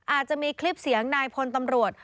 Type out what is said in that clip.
อาจจะมีคลิปเสียงนายพลตำรวจ